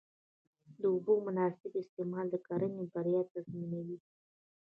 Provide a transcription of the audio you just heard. د اوبو مناسب استعمال د کرنې بریا تضمینوي.